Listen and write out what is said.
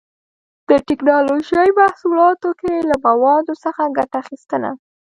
د ټېکنالوجۍ محصولاتو کې له موادو څخه ګټه اخیستنه